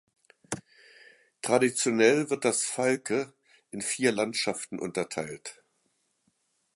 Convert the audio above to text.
Traditionell wird das Fylke in vier Landschaften unterteilt.